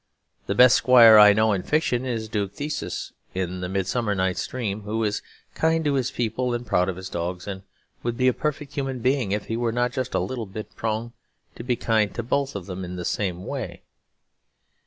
The best squire I know in fiction is Duke Theseus in "The Midsummer Night's Dream," who is kind to his people and proud of his dogs; and would be a perfect human being if he were not just a little bit prone to be kind to both of them in the same way.